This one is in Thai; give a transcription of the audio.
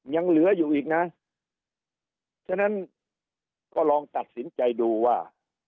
ยังเหลืออยู่อีกนะฉะนั้นก็ลองตัดสินใจดูว่า